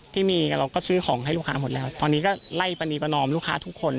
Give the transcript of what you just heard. ที่มีเราก็ซื้อของให้ลูกค้าหมดแล้วตอนนี้ก็ไล่ประนีประนอมลูกค้าทุกคน